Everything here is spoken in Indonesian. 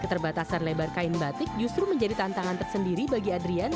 keterbatasan lebar kain batik justru menjadi tantangan tersendiri bagi adrian